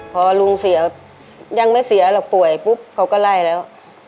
พอลุงเสียยังไม่เสียหรอกป่วยปุ๊บเขาก็ไล่แล้ว